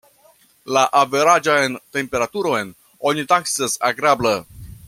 La averaĝan temperaturon oni taksas agrabla.